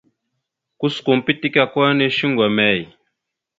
Kuskom pitike ako hinne shuŋgo emey ?